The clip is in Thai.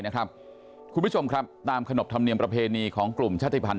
คุณผู้ชมครับตามขนบธรรมเนียมประเพณีของกลุ่มชาติภัณ